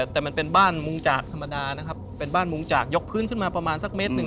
แต่มันเป็นบ้านมุงจากธรรมดานะครับเป็นบ้านมุงจากยกพื้นขึ้นมาประมาณสักเมตรหนึ่ง